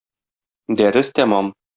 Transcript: Дәрес тәмам.